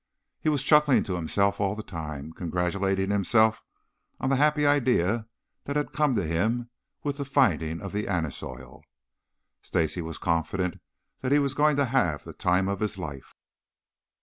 He was chuckling to himself all the time, congratulating himself on the happy idea that had come to him with the finding of the anise oil. Stacy was confident that he was going to have the time of his life.